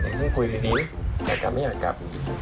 อย่างนี้คุยดีอยากกลับไม่อยากกลับ